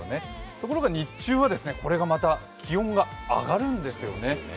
ところが日中はこれがまた気温が上がるんですね。